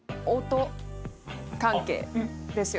音関係です。